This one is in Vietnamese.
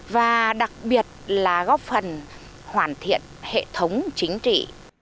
và đặc biệt là góp phần hoàn thiện hệ thống chính trị